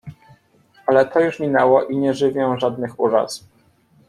"Ale to już minęło i nie żywię żadnych uraz."